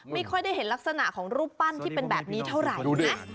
ไม่ค่อยได้เห็นลักษณะของรูปปั้นที่เป็นแบบนี้เท่าไหร่นะ